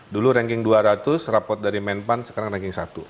dulu ranking dua ratus raport dari menpan sekarang ranking satu